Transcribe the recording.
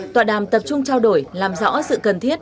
tọa đàm tập trung trao đổi làm rõ sự cần thiết